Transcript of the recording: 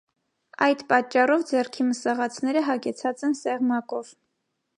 Այդ պատճառով ձեռքի մսաղացները հագեցած են սեղմակով։